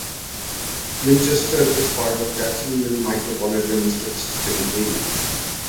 Winchester is part of the Jacksonville Micropolitan Statistical Area.